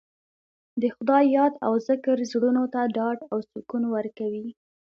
د خدای یاد او ذکر زړونو ته ډاډ او سکون ورکوي.